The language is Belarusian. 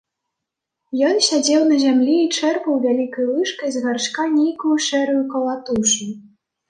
Ён сядзеў на зямлі і чэрпаў вялікай лыжкай з гаршка нейкую шэрую калатушу.